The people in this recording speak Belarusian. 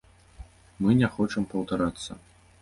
Мы не хочам паўтарацца.